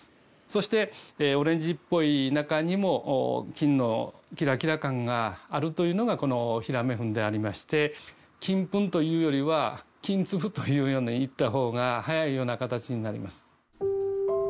そしてオレンジっぽい中にも金のキラキラ感があるというのがこの平目粉でありまして金粉というよりは金粒というように言った方が早いような形になります。